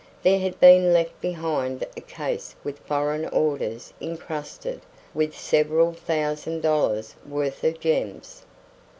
There had been left behind a case with foreign orders incrusted with several thousand dollars' worth of gems.